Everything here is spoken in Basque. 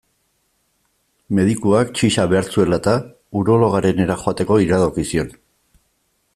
Medikuak, txiza behar zuela-eta, urologoarenera joateko iradoki zion.